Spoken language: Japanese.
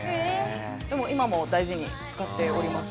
今も大事に使っております。